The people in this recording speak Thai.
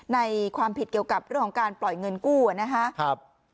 ในความผิดเกี่ยวกับเรื่องของการปล่อยเงินกู้นะครับ